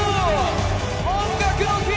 「音楽の日」